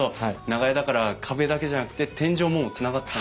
長屋だから壁だけじゃなくて天井もつながってた。